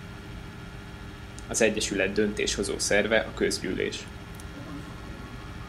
Az egyesület döntéshozó szerve a közgyűlés.